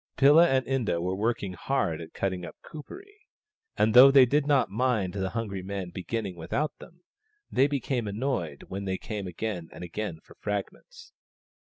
Pilla and Inda were working hard at cutting up Kuperee, and though they did not mind the hungry men beginning without them, they became annoyed when they came again and again for fragments.